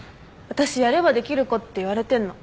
私やればできる子って言われてんの。